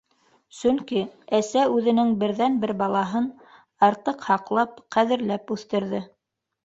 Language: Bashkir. Сөнки әсә үҙенең берҙән-бер балаһын артыҡ һаҡлап, ҡәҙерләп үҫтерҙе.